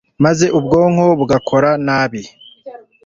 maze ubwonko bugakora nabi